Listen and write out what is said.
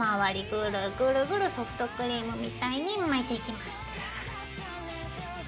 グルグルグルソフトクリームみたいに巻いていきます。